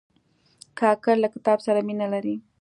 کاکړ له کتاب سره مینه لري.